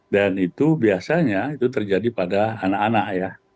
dan itu biasanya itu terjadi pada anak anak ya